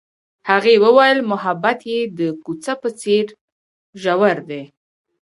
هغې وویل محبت یې د کوڅه په څېر ژور دی.